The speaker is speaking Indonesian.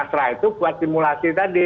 setelah itu buat simulasi tadi